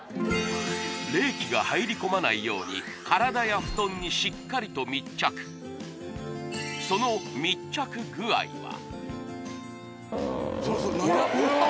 冷気が入り込まないように体や布団にしっかりと密着その密着具合は何これ！？